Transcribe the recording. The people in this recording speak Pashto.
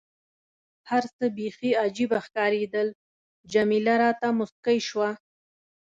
هر څه بیخي عجيبه ښکارېدل، جميله راته موسکۍ شوه.